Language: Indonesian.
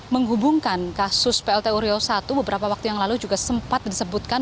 menghubungkan kasus plt uriau i beberapa waktu yang lalu juga sempat disebutkan